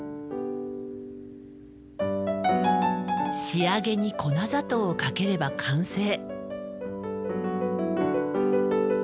仕上げに粉砂糖をかければ完成。